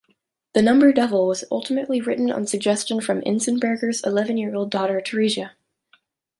"The Number Devil" was ultimately written on suggestion from Enzensberger's eleven-year-old daughter Theresia.